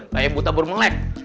kayak buta bermalek